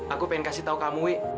aku ingin kasih tahu kamu wi